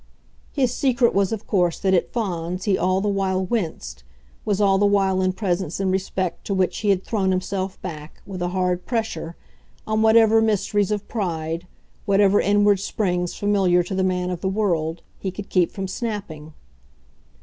His secret was of course that at Fawns he all the while winced, was all the while in presences in respect to which he had thrown himself back, with a hard pressure, on whatever mysteries of pride, whatever inward springs familiar to the man of the world, he could keep from snapping.